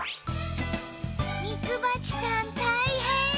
ミツバチさんたいへん。